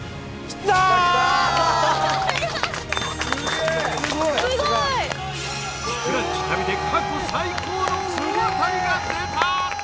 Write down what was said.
スクラッチ旅で過去最高の大当たりが出た！